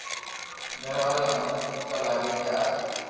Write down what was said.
گھر واري اوني پوسوا لاگي ڪي اج